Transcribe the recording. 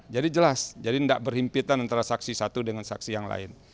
jadi jelas jadi tidak berhimpitan antara saksi satu dengan saksi yang lain